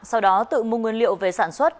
sau đó tự mua nguyên liệu về sản xuất